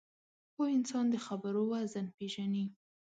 پوه انسان د خبرو وزن پېژني